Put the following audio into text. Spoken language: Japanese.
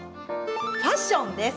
ファッションです。